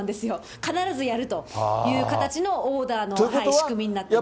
必ずやるという形のオーダーの仕組みになっています。